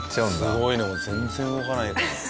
すごいねもう全然動かないんだ。